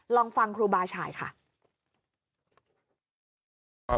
ลองฟังครูบาชายค่ะ